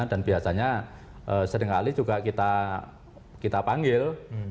biasanya seringkali juga kita panggil